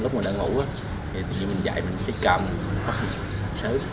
lúc đó đây là hai tháng tối hôm trước lúc mình đã ngủ mình dậy xuyên chế cam và phát hiện sớm